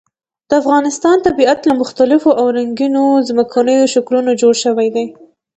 د افغانستان طبیعت له مختلفو او رنګینو ځمکنیو شکلونو جوړ شوی دی.